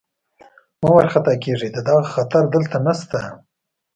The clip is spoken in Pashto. مه وارخطا کېږئ، د دغه خطر دلته نشته.